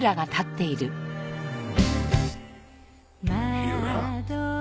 火浦。